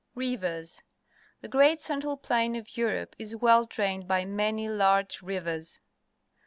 Rivers. — The great central plain of Europe is well drained by many large rivers.